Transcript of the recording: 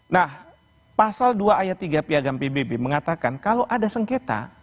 nah pasal dua ayat tiga piagam pbb mengatakan kalau ada sengketa